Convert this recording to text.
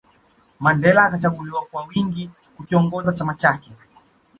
Mandela akachaguliwa kwa wingi kukiongoza chama chake